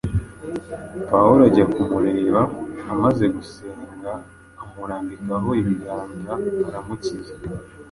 Pawulo ajya kumureba, amaze gusenga amurambikaho ibigamnza aramukiza.